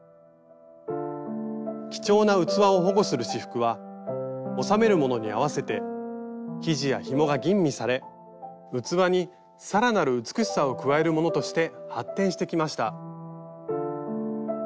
貴重な器を保護する仕覆は収めるものに合わせて生地やひもが吟味され器に更なる美しさを加えるものとして発展してきました。